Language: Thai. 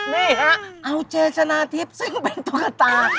นี่ฮะเอาเจชนะทิพย์ซึ่งเป็นตุ๊กตา